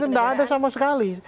enggak ada sama sekali